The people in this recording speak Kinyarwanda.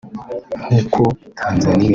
nk’uko Tanzania